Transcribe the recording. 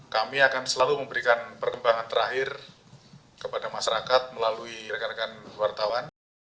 kami akan selalu memberikan perkembangan terakhir kepada masyarakat melalui rekan rekan wartawan